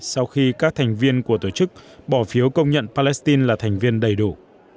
sau khi các thành viên của tổ chức bỏ phiếu công nhận palestine là thành viên đầy đủ